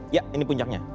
iya ini puncaknya